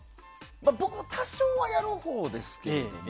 僕、多少はやるほうですけれども。